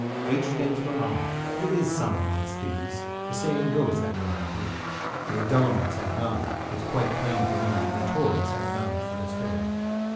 =H= stands for Honour, there is some amongst thieves, The saying goes that way I hear; The Adullamites have none, it's quite plain to me; And the Tories have none for to spare.